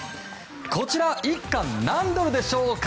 こちら１缶何ドルでしょうか？